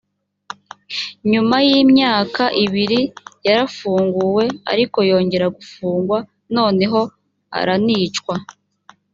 nyuma y’imyaka ibiri yarafunguwe ariko yongera gufungwa noneho aranicwa.